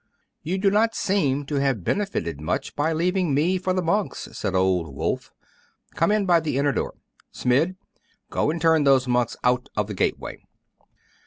'You do not seem to have benefited much by leaving me for the monks,' said old Wulf. 'Come in by the inner door. Smid! go and turn those monks out of the gateway.